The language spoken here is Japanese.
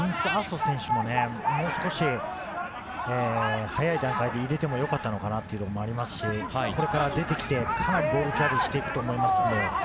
・アソ選手ももう少し早い段階で入れてもよかったのかなというのもありますし、これから出てきて、かなりボールキャリーしていくと思います。